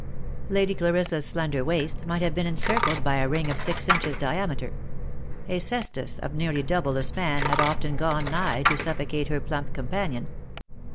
Lady Clarissa's slender waist might have been encircled by a ring of six inches diameter ; a cestus of nearly double the span had often gone nigh to suffocate her plump companion.